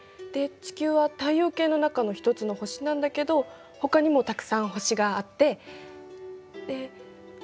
で地球は太陽系の中の一つの星なんだけどほかにもたくさん星があってで。